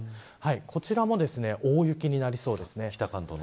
こちらも大雪になりそうです。